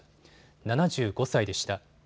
７５歳でした。